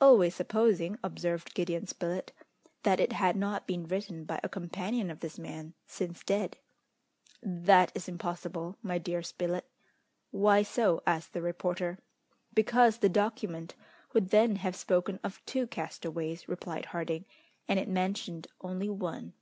"Always supposing," observed Gideon Spilett, "that it had not been written by a companion of this man, since dead." "That is impossible, my dear Spilett." "Why so?" asked the reporter. "Because the document would then have spoken of two castaways," replied Harding, "and it mentioned only one."